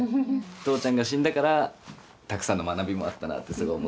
父ちゃんが死んだからたくさんの学びもあったなってすごい思って。